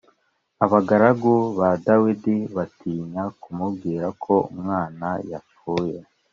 Abagaragu ba Dawidi batinya kumubwira ko umwana yapfuye